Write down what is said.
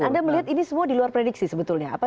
dan anda melihat ini semua diluar prediksi sebetulnya